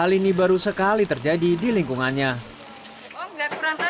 cuma baru kali ini doang